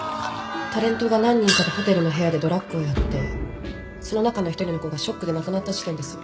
タレントが何人かでホテルの部屋でドラッグをやってその中の１人の子がショックで亡くなった事件ですよね。